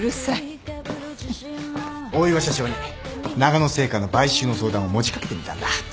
大岩社長にながの製菓の買収の相談を持ち掛けてみたんだ。